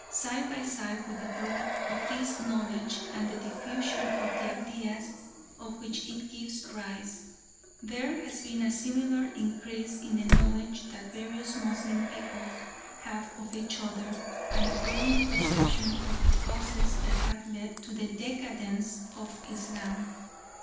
Side by side with the growth of this knowledge and the diffusion of the ideas to which it gives rise, there has been a similar increase in the knowledge that the various Moslem peoples have of each other and a growing perception of the causes that have led to the decadence of Islam.